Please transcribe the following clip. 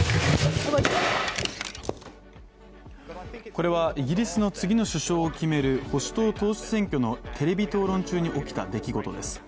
これはイギリスの次の首相を決める保守党党首選挙のテレビ討論中に起きた出来事です